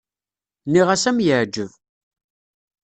Nniɣ-as ad m-yeɛǧeb.